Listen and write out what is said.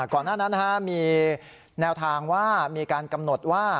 ก่อนหน้านั้นมีแนวทางว่ามีการกำหนดว่า